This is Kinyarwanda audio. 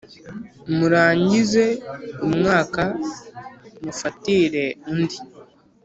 Murangize umwaka, mufatire undi,